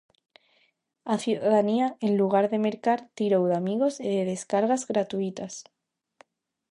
A cidadanía, en lugar de mercar, tirou de amigos e de descargas gratuítas.